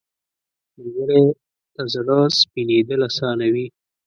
ملګری ته زړه سپینېدل اسانه وي